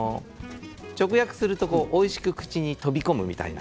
直訳するとおいしく口に飛び込むみたいな。